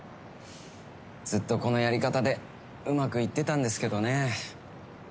ずっとこのやり方でうまくいってたんですけどね。